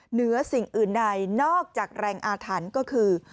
เหนือสิ่งอื่นใดนอกจากแรงอาถรรพ์ก็คือ